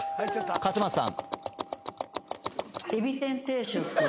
勝又さん